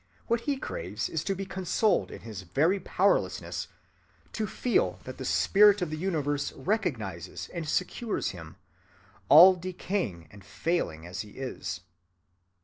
What he craves is to be consoled in his very powerlessness, to feel that the spirit of the universe recognizes and secures him, all decaying and failing as he is.